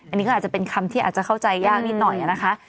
อันนี้ก็อาจจะเป็นคำที่อาจจะเข้าใจยากนิดหน่อยนะคะ